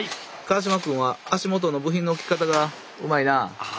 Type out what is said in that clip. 川島くんは足元の部品の置き方がうまいなあ。